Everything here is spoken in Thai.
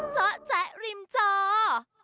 เจ้าแจ๊ะริมเจ้า